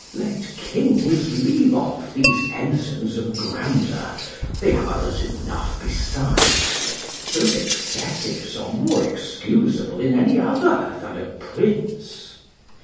Let kings leave off these ensigns of grandeur; they have others enough besides; those excesses are more excusable in any other than a prince.